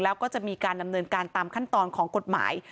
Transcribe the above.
แล้วก็จะมีการดำเนินการตามขั้นตอนของกฎหมาย